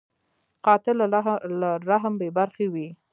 قاتل له رحم بېبرخې وي